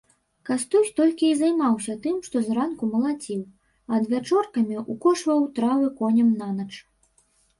Кастусь толькі і займаўся тым, што зранку малаціў, а адвячоркамі ўкошваў травы коням нанач.